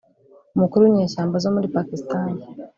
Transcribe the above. umukuru w’inyeshamba zo muri Pakisitani